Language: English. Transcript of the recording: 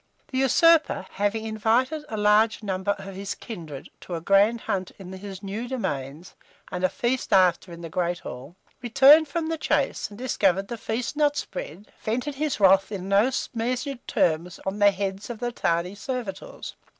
The usurper having invited a large number of his kindred to a grand hunt in his new domains, and a feast after in the great hall, returned from the chase, and discovering the feast not spread, vented his wrath in no measured terms on the heads of the tardy servitors.